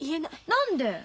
何で？